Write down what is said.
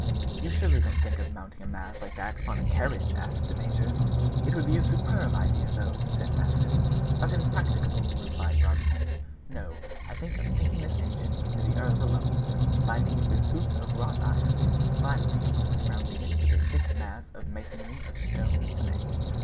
"You surely don't think of mounting a mass like that upon a carriage?" asked the major. "It would be a superb idea, though," said Maston. "But impracticable," replied Barbicane. "No, I think of sinking this engine in the earth alone, binding it with hoops of wrought iron, and finally surrounding it with a thick mass of masonry of stone and cement.